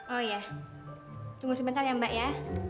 oh iya tunggu sebentar ya mbak ya